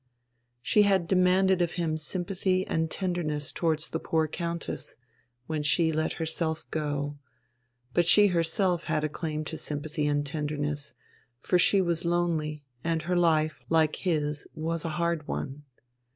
She had demanded of him sympathy and tenderness towards the poor Countess, when she let herself go; but she herself had a claim to sympathy and tenderness, for she was lonely and her life, like his, was a hard one.